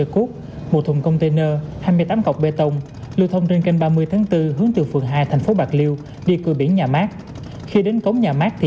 cũng tổ chức thêm năm mươi